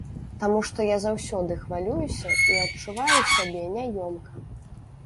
Таму што я заўсёды хвалююся і адчуваю сябе няёмка.